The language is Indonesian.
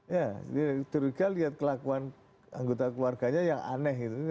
ya curiga lihat kelakuan anggota keluarganya yang aneh gitu